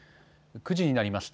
９時になりました。